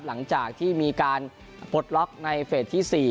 หลังจากที่มีการปลดล็อกในเฟสที่๔